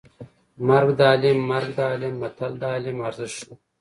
مرګ د عالیم مرګ د عالیم متل د عالم ارزښت ښيي